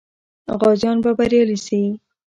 غازیان به بریالي سي.